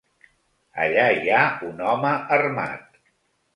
Allà hi ha un home armat.